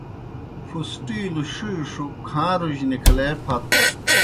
پُھسٹِیلوْ ݜِیݜوْ کھاݩروجیْ نِکھلے پھت۔